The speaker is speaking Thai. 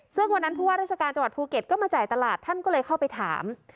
ซึ่งวันนั้นผู้ว่าราชการจังหวัดภูเก็ตก็มาจ่ายตลาดท่านก็เลยเข้าไปถาม